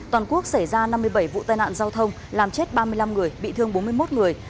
toàn quốc xảy ra năm mươi bảy vụ tai nạn giao thông làm chết ba mươi năm người bị thương bốn mươi một người